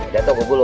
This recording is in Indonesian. jatuh ke bulu